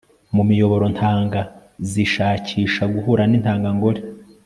mu miyoborantanga zishakisha guhura n'intangangore